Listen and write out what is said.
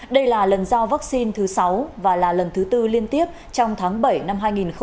đây là lần giao vaccine thứ sáu và là lần thứ tư liên tiếp trong tháng bảy năm hai nghìn hai mươi